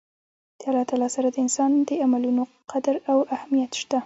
د الله تعالی سره د انسان د عملونو قدر او اهميت شته